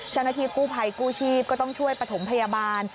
เจ้าหน้าที่กู้ภัยกู้ชีพก็ต้องช่วยปฐมพยาบาล